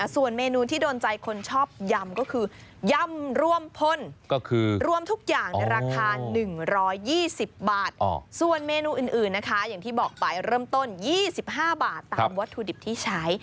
ส่วนเมนูอื่นนะคะอย่างที่บอกไปเริ่มต้น๒๕บาทตามวัตถุดิบที่ใช้